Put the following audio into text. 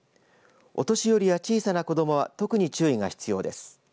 お年寄りや小さな子どもは特に注意が必要です。